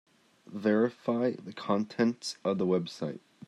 Verify the contents of the website.